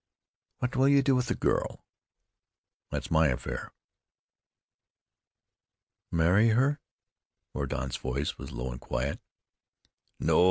"What will you do with the girl?" "That's my affair." "Marry her?" Mordaunt's voice was low and quiet. "No!"